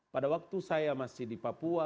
pada waktu saya masih di papua